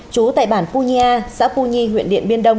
chú tại bản phu nhi a xã phu nhi huyện điện biên đông